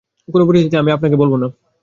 কোন পরিস্থিতিতেই, আমি আপনাকে বলব না।